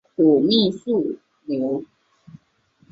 土蜜树瘤节蜱为节蜱科瘤节蜱属下的一个种。